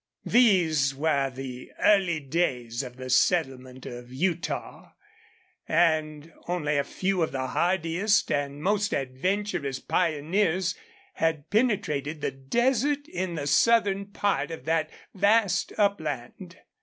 These were the early days of the settlement of Utah, and only a few of the hardiest and most adventurous pioneers had penetrated the desert in the southern part of that vast upland.